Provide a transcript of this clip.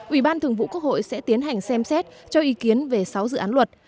ủy ban thường vụ quốc hội sẽ tiến hành xem xét cho ý kiến về sáu dự án luật